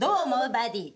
バディ。